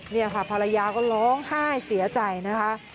นี่ค่ะภรรยาก็ร้องไห้เสียใจนะคะ